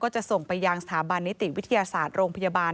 จะส่งไปยังสถาบันนิติวิทยาศาสตร์โรงพยาบาล